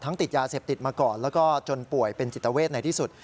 ติดยาเสพติดมาก่อนแล้วก็จนป่วยเป็นจิตเวทในที่สุด